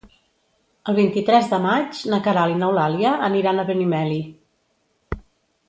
El vint-i-tres de maig na Queralt i n'Eulàlia aniran a Benimeli.